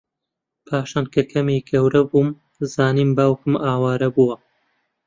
پاشان کە کەمێک گەورەبووم زانیم باوکم ئاوارە بووە